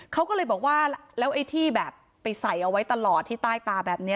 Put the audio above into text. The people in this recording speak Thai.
เขาก็เลยบอกว่าแล้วไอ้ที่แบบไปใส่เอาไว้ตลอดที่ใต้ตาแบบนี้